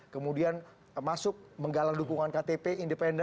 kemudian masuk menggalang dukungan ktp independen